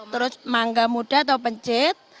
terus mangga muda atau pencit